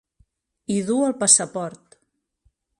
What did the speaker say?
Hi du el passaport.